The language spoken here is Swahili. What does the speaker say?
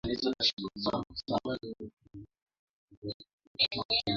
uingiliaji mkubwa zaidi wa kigeni nchini Kongo katika kipindi cha muongo mmoja